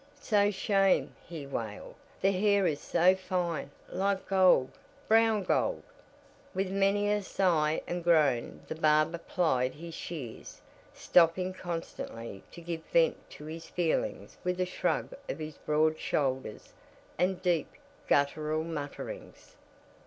"So shame," he wailed. "The hair is so fine like gold, brown gold." With many a sigh and groan the barber plied his shears, stopping constantly to give vent to his feelings with a shrug of his broad shoulders and deep gutteral mutterings.